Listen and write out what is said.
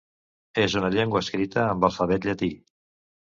És una llengua escrita amb alfabet llatí.